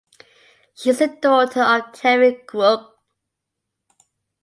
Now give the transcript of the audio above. She is the daughter of Terry Grourk.